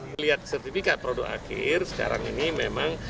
melihat sertifikat produk akhir sekarang ini memang